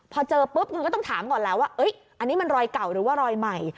พอเจอปุ๊บคุณก็ต้องถามก่อนแล้วว่าอันนี้มันรอยเก่าหรือว่ารอยใหม่